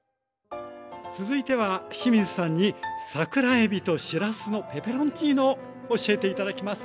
続いては清水さんに桜えびとしらすのペペロンチーノを教えて頂きます。